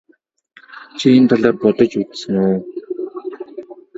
Чи энэ талаар бодож үзсэн үү?